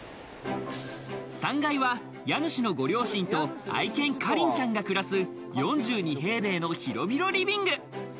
３階は家主のご両親と愛犬カリンちゃんが暮らす、４２平米の広々リビング。